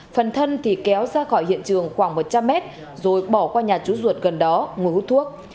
phần thân thì kéo ra khỏi hiện trường khoảng một trăm linh mét rồi bỏ qua nhà chú ruột gần đó ngồi hút thuốc